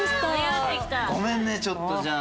ごめんねちょっとじゃあ。